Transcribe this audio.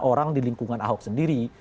orang di lingkungan ahok sendiri